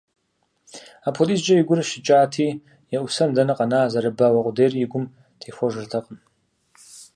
Апхуэдизкӏэ и гур щыкӏати, еӏусэн дэнэ къэна, зэрыбауэ къудейр и гум техуэжыртэкъм.